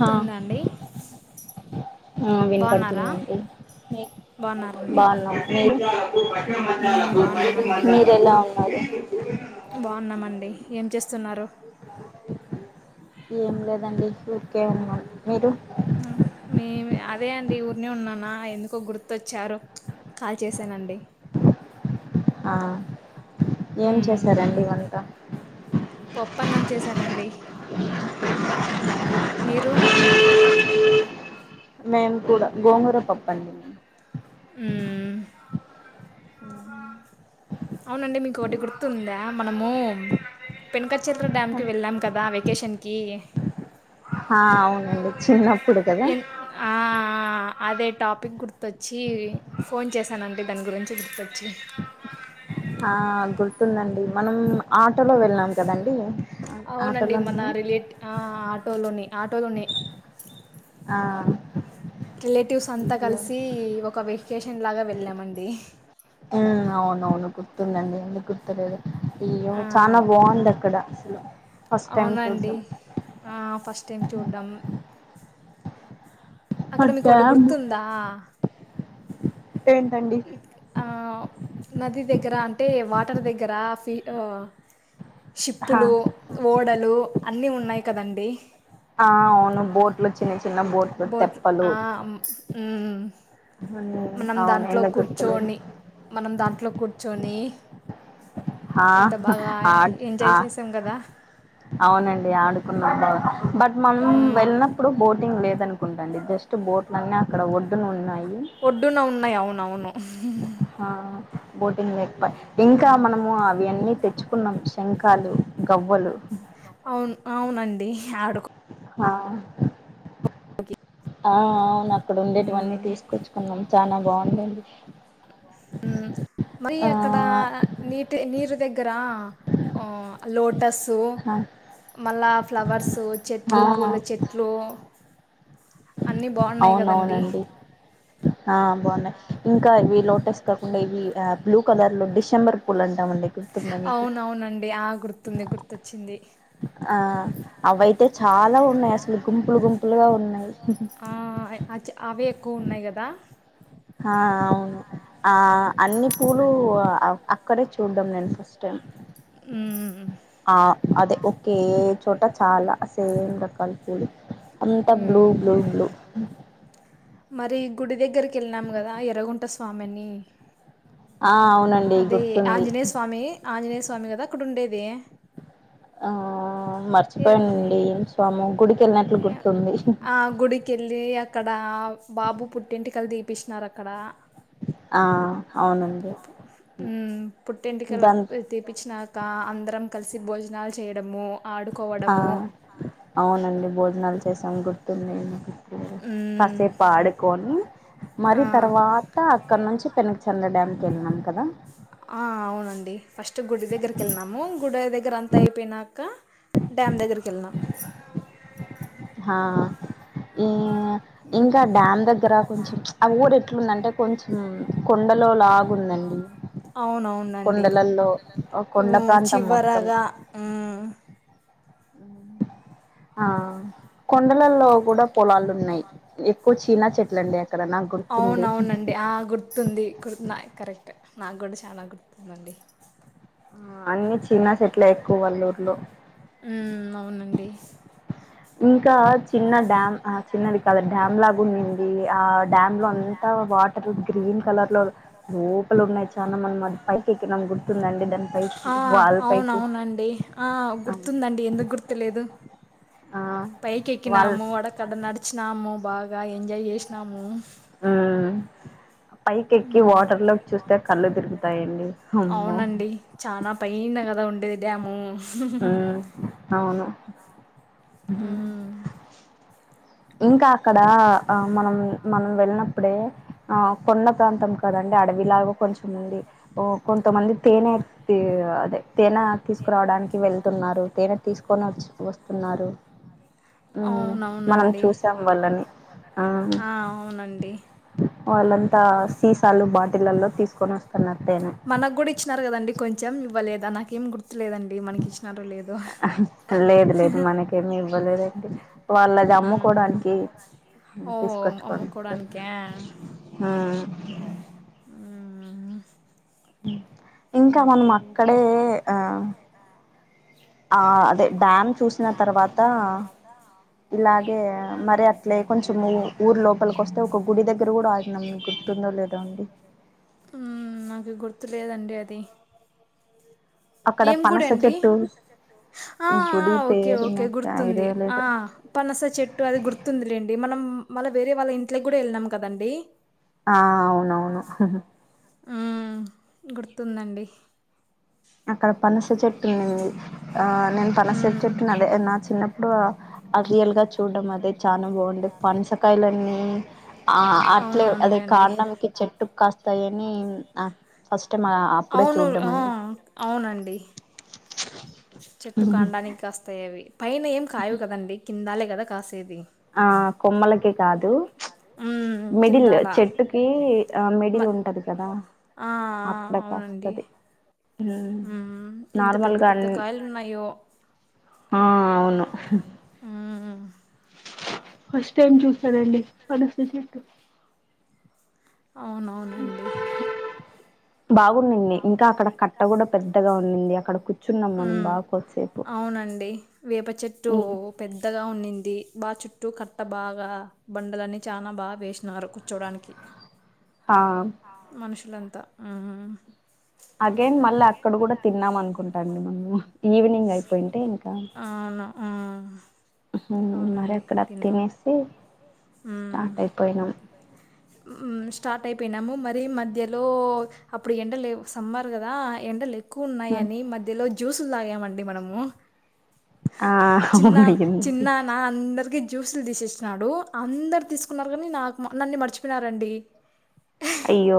హ వినపడుతుందండి బాగున్నా మీర ఎలా ఉన్నారు ఏం చేస్తున్నారు ఏం లేదండి ఊరికే ఉన్నాం మీరు అదే అండి ఊరినే ఉన్నానా ఎందుకో గుర్తొచ్చారు కాల్ చేసానండి ఆ హ్మ్ పప్పన్నం చేశానండి మీరు మేము కూడా గోంగూర పప్పండి హ్మ్ అవునండి మీకు ఒకటి గుర్తుందా మనము పెనుక చిత్ర డాం కి వెళ్ళం కదా వెకేషన్ ఏ ఆ అవునండి చిన్నప్పు ఎన్ ఆ అదే టాపిక్ గుర్తొచ్చి ఫోన్ చేశానండి దాని గురించి గుర్తొచ్చి ఆ గుర్తుందండి మనం ఆటోలో వెళ్ళాం కదండి అవునండి మన రిలేటివ్ ఆ ఆటోలోనే ఆటోలోనే ఆ రిలేటివ్స్ అంతా కలిసి ఒక వెకేషన్ లాగ వెల్లామండి అవునవును గుర్తుందండి ఎందుకు గుర్తులేదు ఇయ్యో చానా బాగుంది అక్కడ అసలు ఫస్ట్ టైం చూడ్డం ట్తెం చూడ్డం అక్కడ మీ కొటి గుర్తుందా ఆ నది దగ్గ దగ్గర అంటే వాటర్ దగ్గర సీ ఆ షిప్పులు ఓడలు అన్నీ ఉన్నాయి కదా అండి ఆ అవును బోట్లు బోట్లు ఆ అం ఉ మనం దాంట్లో కూర్చోని మనం దాంట్లో కూర్చోని నీ ఆహా ఆ అవునండి ఆడుకున్న బాగా బట్ మనం వెళ్ళినప్పుడు బోటింగ్ లేదనుకుంటా కుంటా అండి జస్ట్ బోట్లన్నీ అక్కడ ఒడ్డున ఉన్నాయి ఒడ్డున ఉన్నాయ్ అవునవును ఆ బోటింగ్ లేకపాయ్ ఇంకా మనము అవి అన్నీ తెచ్చుకున్నాం శంఖాలు గవ్వలు అవును అవును అండి ఆడుకో ఆ ఆ అవునా అక్కడ ఉండేటివన్నీ తీసుకొచ్చుకున్నాం చానా బాగుంది అండి మ్మ్ మరీ అక్కడ నీటి నీరు దగ్ గ్గరా ఆ లోటసు మళ్ళా ప్లవర్స్ చెట్లు పూల చెట్లు అవునవును అండి ఆ బాన్నయి ఇంకా అవి లోటస్ కాకుండా ఇవి ఆ బ్లూ కలర్ లో ఉండి అవునవునండి ఆ గుర్తుంది గుర్తొచ్చింది ఆ అవయితే చాలా ఉన్నాయి అసలు గుంపులు గుం వులుగా ఉన్నాయి ఆ అ అవి ఎక్కువ ఉన్నాయి కదా ఆ అవును ఆ అన్ని పూలు అక్కడే చూడ్ద్దం నేను ఫస్ట్ టైం ఆ అదే కే చోట చాలా సేమ్ రకాల కూలి అంట బ్లూ బ్లూ బ్లూ గుడి దగ్గరికి వెళ్ళినాం కదా ఎరగుంట స్వామిని అదే ఆంజనేయ స్వామి ఆంజనేయ స్వామి కదా అక్కడ ఉండేద్ తె ఆ మర్చిపోయినండి సోము గుడికి ఆ గుడికిళ్ళి అక్కడ బాబు పుట్టింటికలు ది ప్పసినారు అక్కడ మ్ పుట్టింటికలు తీపచ్చినాక అందరం కలిసి భోజనాలు చేయడము ఆ అవునండి భోజనాలు చేసాం గుర్తుంది. కాసేపు ఆడుకొని, మరి తర్వాత అక్కడ నుంచి చేనుల డ్యాంకి వెళ్ళినాం కదా. ఆ అవునండి ఫస్ట్ గుడి దగ్గరికి ఎల్లినాము, గుడె దగ్గర అంతా అయిపోయినాక, డ్యామ్ దగ్గరికి వెళ్ళినాం. హ ఈ ఇంకా డ్యామ్ దగ్గర కొంచెం, ఆ ఊడెట్లుందంటే కొంచెం కొండలో లాగుందండి. అవునవునండి ఉమ్ చివరగా ఆ కొండలల్లో కుడా పొలాలు ఉన్నయ్. ఇప్ అవునవునండి ఆ గుర్తుంది, గుర్తు నాయి కరెక్ట్ నాగుడ. చాలా గుర్తుందండి. అన్నీ చిన్న సెట్ లేకు క్కువల్లూర్లో ఉండి ఉమ్ ఇంకా చిన్న డ్యామ్ ఆ చిన్నది కాదు డ్యామ్ లాగా ఉన్నింది, ఆ డ్యామ్ లో అంతా వాటర్ గ్రీన్ కలర్ లో లోపలు ఉన్నాయి, చనా మన పైకి ఎక్కిన గుర్తుందండి, దాని పైకి వాల్ పైకి పైకి ఎక్కునాము వడ కడ నడి చ్చినాము, బాగా ఎంజాయ్ చేసినాము. ఉమ్ పైకి ఎక్కి వాటర్ లో చూస్తే కళ్ళు తిరుగుతాయండి, అమ్మో డ్యాము ఆ అవును హ్మ్ ఇంకా క్కడ ఆ మనం మన వెళ్ళినప్పుడే ఆ కొండ ప్రాంతం కదండి అడవిలాగా కొంచెముంది, ఓ కొంతమంది తేనె అదే తేనె తీసుకురావడానికి వెళ్తున్నారు, తేనె తీసుకొని వచ్చి వస్తున్నారు, ఉమ్ మనం చూసాం వాళ్లని, ఆ మనకు కూడా ఇచ్చినారు కదండి కొంచెం, ఇవాళ ఏద్ నాంకేం గుర్ లేదు లేదు మనకేమి ఇవ్వలేదండి వాళ్ళది అమ్ముకోడానికి తీసుకొచ్చుకుంటరు హు ఆ అ ఇంకా మనం అక్కడే ఆ ఆ అదే హు నాకి గుర్ ర్తులేదండి అది ఏం గుడి అండి ఆ ఆ ఓకే ఓకే గుర్తుంది ఆ పనస చెట్టు అది గుర్తుందిలేండి మనం మళ్ళ వేరే వాళ్ళ ఇంట్కి కూడా వెళ్ళినాం కదండి ఆ అవ్ నవును ఆ గుర్తుందండి అక్కడ పనస చెట్టు ఉన్నింది ఆ నేను పనస చెట్టు నదే నా చిన్నప్ ప్పు అ రియల్గా చూడం అదే చాన బాగుండే పనసకాయలన్నీ ఆ అట్లే అదే కాండంకి చెట్టుకాస్తాయని ఆ ఫస్ట్ టైం అప్పుడే చూడ్డం అండి అవునండి చెట్టు కండానికి కాస్తాయవి పైన ఏం కాయవు కదండి కిందాలే కదా కాసే ఆ కొమ్మలకి కాదు మెడిల్ చెట్టుకి ఆ మిడిల్ ఉంటది కదా అక్కడ కాస్తది హు ఎంత పెద్ద పెద్ద కాయలు ఉన్నాయో ఆ అవును ఫ్ ఏం చూస్తాడండి పనస్ విశ అవునవునండి బాగుండింది ఇంకా అక్కడ కట్ట కూడా పెద్దగా ఉంనింది అక్కడ కూర్చున్నాం మనం బాగ కొద్దిసేపు వేప చెట్టు పెద్దగా ఉన్నింది బాగా చుట్టూ కట్ట బాగా బండలన్నీ చాలా బాగా వేసినారు కూర్చోడానికి హా మనుషులంతా ఆ అగైన్ మళ్ళీ అక్కడ కూడా తిన్నామ అనుకుంటాండి మనము ఈవినింగ్ అయిపోయింటే ఇంకా మ్ మరి అక్కడ తినేసి స్టార్ట్ అయిపోయినాం మ్ స్టార్ట్ అయిపోయినాము మరి మధ్యలో అప్పుడు ఎండ లే సమ్మర్ కదా ఎండ లే ఎక్కువ ఉన్నాయని మధ్యలో జ్యూసులుతాగామండి మనము ఆ జ్యూసులు తీసేసినడు అందరు తీసుకున్నారు కానీ నాకు నన్ను మర్చిపోయినారండి అయ్యో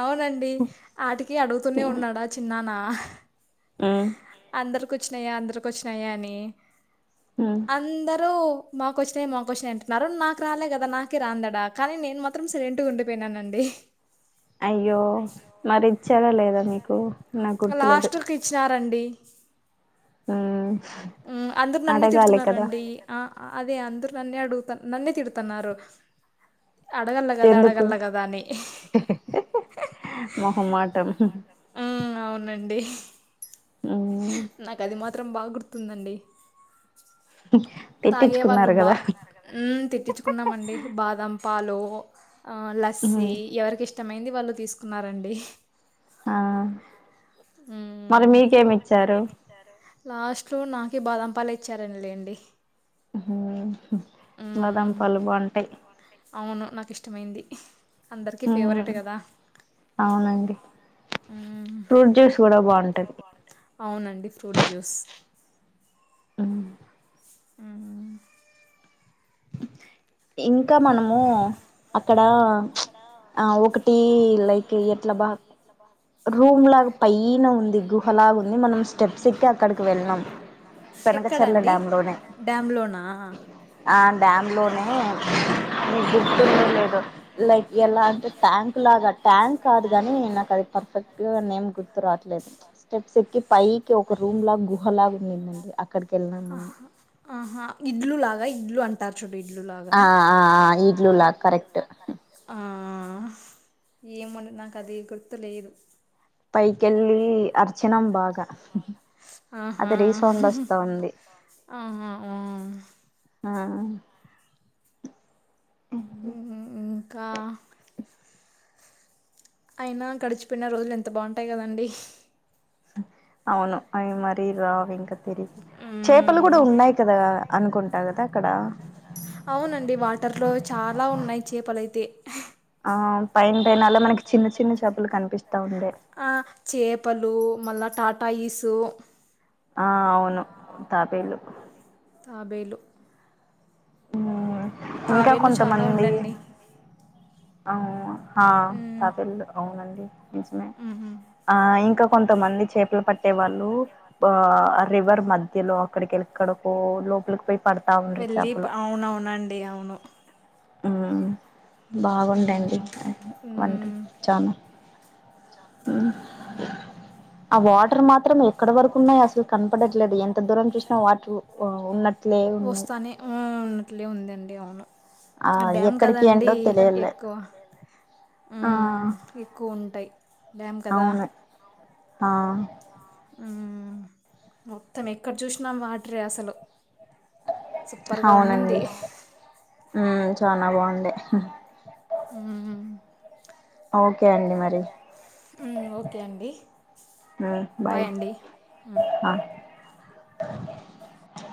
అవునండి వాటికి అడుగుతూనే ఉన్నాడా చిన్నానా ఆ అందరిక వచ్చినాయా అందరికి వచ్చినాయా అని అందరూ మాకు వచ్చినయి మాకు వచ్చినాయి అంటున్నారు, నాకు రాలేదు కదా నాక రాందడా కానీ నేను మాత్రం సైలెంట్గా ఉండిపోయినానండి. అయ్యో మరి చాల లేదా మీకు నాకు గుర్తులేదు డి ఆ మ్ అందరు నన్నేతిడుతున్నారండి ఆ అదే అందరు నన్నే అడుగుత నన్నే తిడతన్నారు ఎందుకు మొహమాటం నాకు అది మాత్రం బాగా గుర్తుందండి తాగే వాళ్ళు బా మ్మ్ తిట్టించుకున్నామండి బాదం పాలు ఒ ఆ లస్సి ఎవరికి ఇష్టమైంది వాళ్ళు తీసుకున్నారండి హా మరి మీకేమిచ్చారు [unintelligible] నాకే బాదంపాలు ఇచ్చారునిలేండి మ్మ్ హు హుం బాదం పాలు బాగుంటయ్ టమైంది అందరికిీ ఫేవరెట్ కదా, మ్మ్ అవునండి ఫ్రూట్ జ్యూస్, మ్మ్ ఉమ్ ఇం కా మనము అక్కడ ప్చ్ ఆ ఒకటి లైక్ ఎయర్ ఎక్కడండి డ్యామ్ లోనా డ్యామ్ లోనే మీ గుర్త్ లే లేదు లైక్ ఎలా అంటే ట్యాంక్ లాగా ట్యాంక్ కాదు కాగాని నాకు అది పర్ఫెక్ట్ గా నేమ్ గుర్తు రావట్లేదు స్టెప్స్ ఎక్కి పైకి ఒక రూమ్ లా గుహలాగా ఉండిందండి అక్కడికి వెళ్ళినాం మనం. టార్జున్ ఆ ఆ ఇడ్లూ లా కరెక్ట్ ఏమో అండి నాకు అది గుర్తు లేదు పైకిెళ్ళి అర్చినం బాగా అది రీసౌండ్ వస్తా ఉంది ఆ హు హ్ కా అయినా గడిచిపోయిన రోజులు ఎంత బాగుంటాయి కదండి. అవును అవి మరీ రావింక్ మ్మ్ అవునండి వాటర్ లో చాలా ఉన్నాయి చేపలయితే పైన పైనలా మనకి చిన్న చిన్న చాపలు కనిపిస్ ఆ చేపలు మళ్ళా టాటా ఈసు ఆ అవును తాబేలు తాబేలు హుమ్ ఇంకా కొంతమంది అవ్వ ఆ తాబేళ్ళు అవునండి నిజమే ఆ ఇంకా కొంతమంది చేపలు పట్టే వాళ్ళు రివర్ మధ్యలో అక్కడికి ఎక్కడికో లోపలికి పోయి పడతా ఉండ్రి చేపలు నండి అవును బాగుండండి అ వంటు చాను ఊ ఆ వాటర్ మాత్ వస్తానే‌ఆ ఉన్నట్లే ఉందండి అవును ఆ డ్యామ్ కదండి ఎక్కువ ఊ ఎక్కువ ఉంటాయి డ్యామ్ కదా ఆ ఊ మొత్తం ఎక్కడ చూసినా వాటరే అసలు హౌనండి ఊ చానా బావున్ ఉండే ఊ ఓక్ ఒకే అండి మరి ఆ బాయ్ ఆ